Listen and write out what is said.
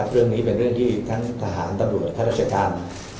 เรื่องนี้เป็นเรื่องที่ทั้งทหารตำรวจข้าราชการ